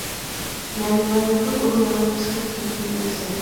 مەن ۋالىبول ئوينىغىلى چىقىپ كەتتىم ئەمىسە.